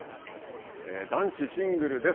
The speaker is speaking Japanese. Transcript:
男子シングルです。